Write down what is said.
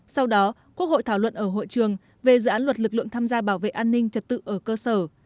sau đó quốc hội thảo luận ở hội trường về dự án luật lực lượng tham gia bảo vệ an ninh trật tự ở cơ sở